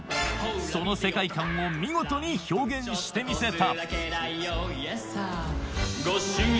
その世界観を見事に表現してみせた